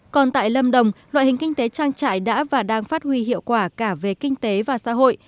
còn tại lâm đồng loại hình kinh tế trang trại đã và đang phát huy hiệu quả cả về kinh tế và xã hội